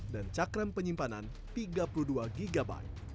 dan cakram penyimpanan tiga puluh dua gb